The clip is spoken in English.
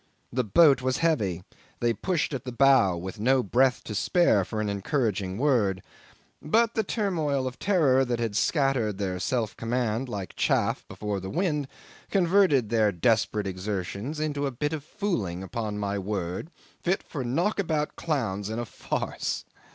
The boat was heavy; they pushed at the bow with no breath to spare for an encouraging word: but the turmoil of terror that had scattered their self command like chaff before the wind, converted their desperate exertions into a bit of fooling, upon my word, fit for knockabout clowns in a farce.